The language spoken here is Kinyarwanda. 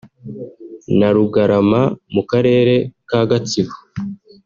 na Rugarama mu karere ka Gatsibo